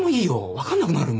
分かんなくなる。